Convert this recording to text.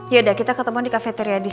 yaudah kita ketemuan di kafeteria tadi